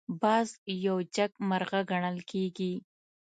باز یو جګمرغه ګڼل کېږي